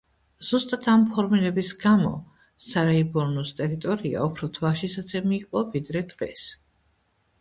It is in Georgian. ზუსტად ამ ფორმირების გამო, სარაიბურნუს ტერიტორია უფრო თვალშისაცემი იყო, ვიდრე დღეს.